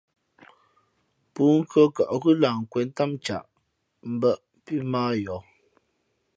Pûnkhʉ̄ᾱ kαʼ ghʉ́ lah nkwēn ntám ncaʼ mbᾱʼ pí mᾱ ā yαα.